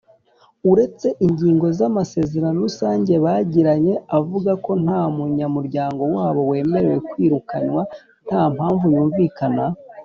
Uretse ingingo z amasezerano rusange bagiranye avuga ko ntamunya muryango wabo wemerewe kwirukanywa ntampamvu yumvikana.